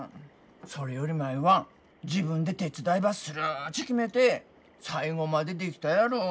それより舞は自分で手伝いばするっち決めて最後までできたやろ。